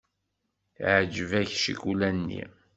Teɛjeb-ak ccikula-nni.